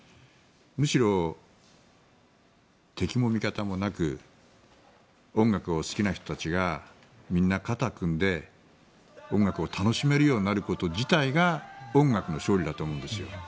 むしろ敵も味方もなく音楽を好きな人たちがみんな肩を組んで、音楽を楽しめるようになること自体が音楽の勝利だと思うんですよ。